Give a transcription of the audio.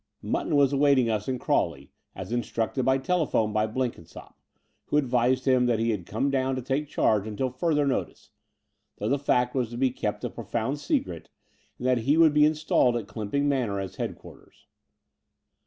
Mutton was awaiting us in Crawley, as in structed by telephone by Blenkinsopp, who advised him that he had come down to take charge until further notice, though the fact was to be kept a profound secret, and that he would be installed at Clymping Manor as headquarters.